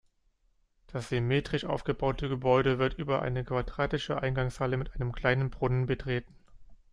Das symmetrisch aufgebaute Gebäude wird über eine quadratische Eingangshalle mit einem kleinen Brunnen betreten.